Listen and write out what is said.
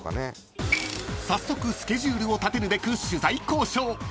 ［早速スケジュールを立てるべく取材交渉］